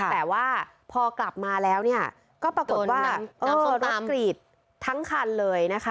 แต่ว่าพอกลับมาแล้วเนี่ยก็ปรากฏว่าน้ำซุปตัสกรีดทั้งคันเลยนะคะ